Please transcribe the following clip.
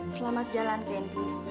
selamat jalan candy